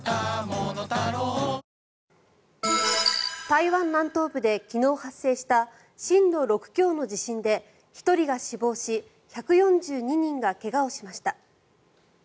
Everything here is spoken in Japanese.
台湾南東部で昨日発生した震度６強の地震で１人が死亡し１４２人が怪我をしました。